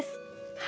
はい。